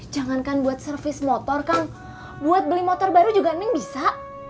jangankan buat servis motor kang buat beli motor baru juga ini bisa